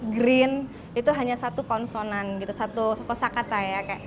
green itu hanya satu konsonan gitu satu kosa kata ya